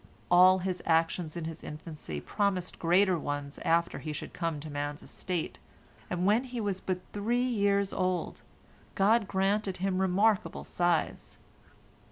All his actions in his infancy promised greater ones after he should come to man's estate, and when he was but three years old, God granted him remarkable size.